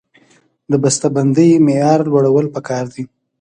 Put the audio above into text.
د بسته بندۍ معیار لوړول پکار دي